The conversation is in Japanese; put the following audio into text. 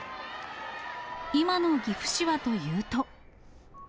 今の岐阜市はというと。